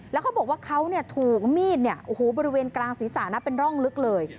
แล้วเขาบอกว่าเขาถูกมีดเนี่ยโอ้โหบริเวณกลางศีรษะนะเป็นร่องลึกเลย